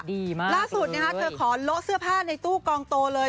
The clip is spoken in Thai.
ดีมากเลยล่าสุดนะฮะเธอขอละเสื้อผ้าในตู้กองโตเลย